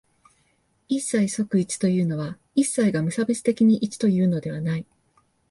一切即一というのは、一切が無差別的に一というのではない。